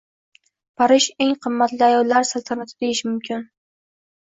Parij eng qimmatli ayollar saltanati deyish mumkin.